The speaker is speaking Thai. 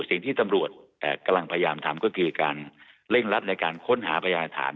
สิ่งที่ตำรวจกำลังพยายามทำก็คือการเร่งรัดในการค้นหาพยานฐาน